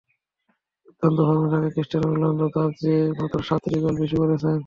দুর্দান্ত ফর্মে থাকা ক্রিস্টিয়ানো রোনালদোও তাঁর চেয়ে মাত্র সাতটি গোল বেশি করেছেন।